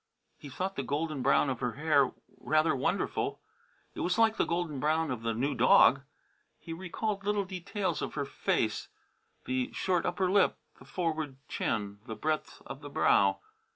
He thought the golden brown of her hair rather wonderful. It was like the golden brown of the new dog. He recalled little details of her face, the short upper lip, the forward chin, the breadth of the brow.